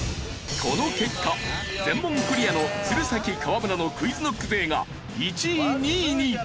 この結果全問クリアの鶴崎河村のＱｕｉｚＫｎｏｃｋ勢が１位２位に。